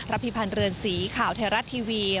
พิพันธ์เรือนสีข่าวไทยรัฐทีวี